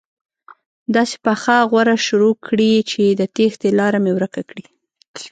داسې پخه غوره شروع کړي چې د تېښتې لاره مې ورکه کړي.